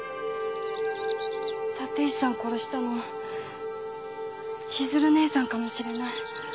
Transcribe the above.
立石さん殺したの千鶴姉さんかもしれない。